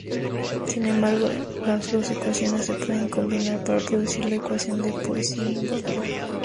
Sin embargo, las dos ecuaciones se pueden combinar para producir la ecuación de Poisson-Boltzmann.